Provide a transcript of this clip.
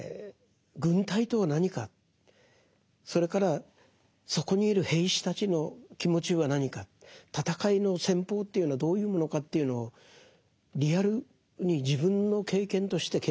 軍隊とは何かそれからそこにいる兵士たちの気持ちは何か戦いの戦法というのはどういうものかというのをリアルに自分の経験として経験してらっしゃる。